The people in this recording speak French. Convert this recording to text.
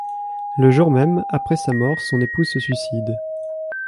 Le jour même, après sa mort, son épouse se suicide.